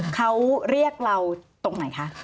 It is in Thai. เขาเรียกเราตรงไหนคะ